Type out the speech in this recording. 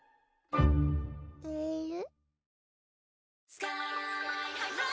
える？